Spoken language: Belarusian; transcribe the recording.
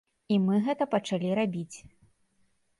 І мы гэта пачалі рабіць.